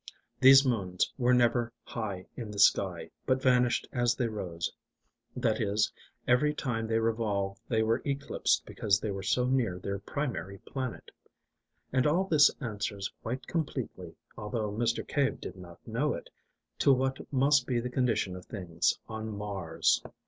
These moons were never high in the sky, but vanished as they rose: that is, every time they revolved they were eclipsed because they were so near their primary planet. And all this answers quite completely, although Mr. Cave did not know it, to what must be the condition of things on Mars.